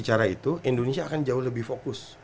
cara itu indonesia akan jauh lebih fokus